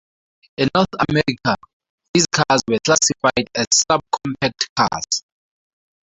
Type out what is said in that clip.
In North America, these cars were classified as subcompact cars.